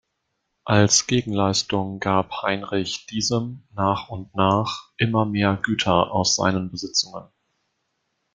Als Gegenleistung gab Heinrich diesem nach und nach immer mehr Güter aus seinen Besitzungen.